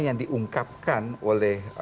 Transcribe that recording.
yang diungkapkan oleh